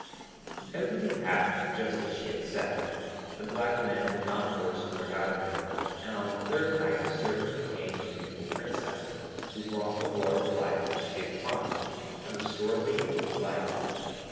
Everything happened just as she had said. The black men could not force a word out of him; and on the third night the Serpent became a beautiful Princess, who brought the Water of Life as she had promised, and restored the youth to life.